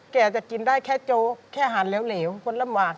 แกจะกินได้แค่โจ๊กแค่อาหารเหลวคนลำบาก